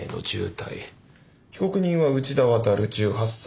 被告人は内田亘１８歳。